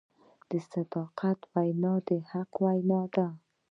د صداقت وینا د حق وینا ده.